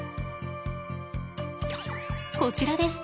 こちらです。